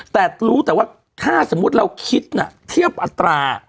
แต่รู้แต่ว่าถ้าสมมุติเราคิดน่ะเทียบอัตรา